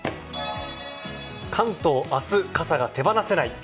関東は明日、傘が手放せない。